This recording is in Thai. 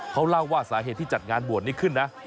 เขาเล่าว่าสาเหตุที่จัดงานบวชนี้ขึ้นนะ